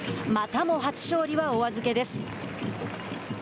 またも初勝利はお預けです。